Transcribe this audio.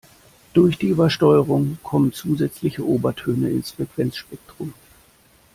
Durch die Übersteuerung kommen zusätzliche Obertöne ins Frequenzspektrum.